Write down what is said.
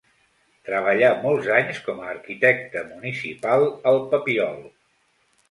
Treballà molts anys com a arquitecte municipal al Papiol.